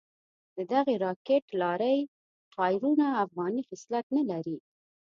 ددغې راکېټ لارۍ ټایرونه افغاني خصلت نه لري.